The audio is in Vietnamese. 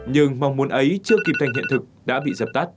nhưng mong muốn ấy chưa kịp thành hiện thực đã bị dập tắt